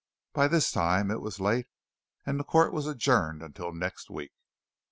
By this time it was late, and court was adjourned until next week.